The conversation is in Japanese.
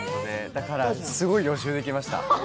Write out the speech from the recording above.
だから、すごい予習できました。